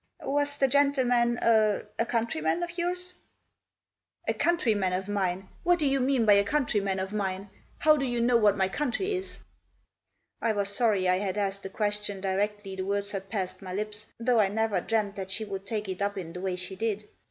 Was the gentleman a — a countryman of yours ?"" A countryman of mine ? What do you mean by a countryman of mine ? How do you know what my country is ?" I was sorry I had asked the question directly the words had passed my lips, though I never dreamt that she would take it up in the way she did.